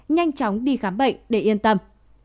nhanh chóng đi khám bệnh để yên tâm